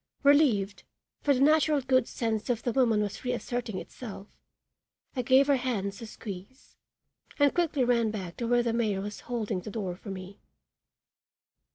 Relieved, for the natural good sense of the woman was reasserting itself, I gave her hands a squeeze and quickly ran back to where the mayor was holding the door for me.